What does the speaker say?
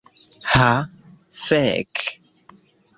Ha, fek'.